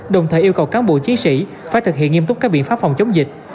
đồng thời yêu cầu cán bộ chiến sĩ phải thực hiện nghiêm túc các biện pháp phòng chống dịch